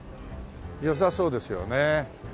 良さそうですよね。